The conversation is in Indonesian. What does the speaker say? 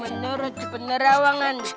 kalau menurut penerawangan